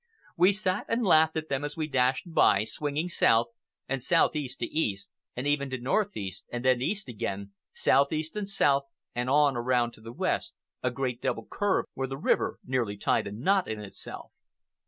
We sat and laughed at them as we dashed by, swinging south, and southeast to east, and even to northeast, and then east again, southeast and south and on around to the west, a great double curve where the river nearly tied a knot in itself.